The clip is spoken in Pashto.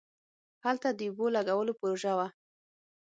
هلته د اوبو لگولو پروژه وه.